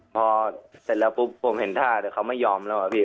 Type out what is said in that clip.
พอเสร็จแล้วปุ๊บผมเห็นท่าแต่เขาไม่ยอมแล้วอะพี่